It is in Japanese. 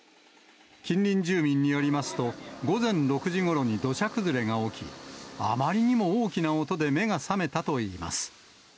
近隣住民によりますと、午前６時ごろに土砂崩れが起き、あまりにも大きな音で目が覚めたといいます。